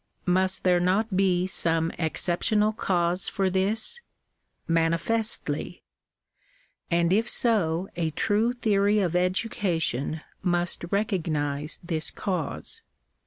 Must there not be some excep tional cause for this ? Manifestly : and if so a true theory of education must recognise this cause.